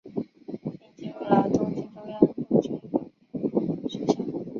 并进入了东京中央陆军幼年学校。